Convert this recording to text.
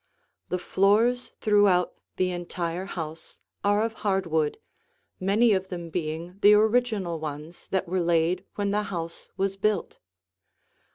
The floors throughout the entire house are of hard wood, many of them being the original ones that were laid when the house was built.